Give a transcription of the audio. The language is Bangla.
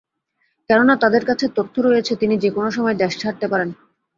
কেননা তাদের কাছে তথ্য রয়েছে তিনি যেকোনো সময় দেশ ছাড়তে পারেন।